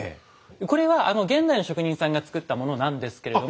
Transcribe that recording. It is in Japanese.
これは現代の職人さんが作ったものなんですけれども。